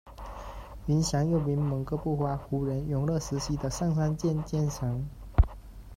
云祥，又名猛哥不花，胡人，永乐时期的尚膳监监丞。